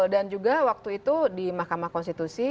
dan juga waktu itu di mahkamah konstitusi